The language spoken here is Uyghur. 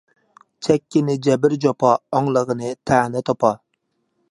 چەككىنى جەبىر-جاپا، ئاڭلىغىنى تەنە-تاپا.